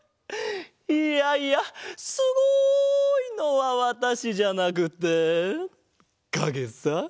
いやいやすごいのはわたしじゃなくってかげさ。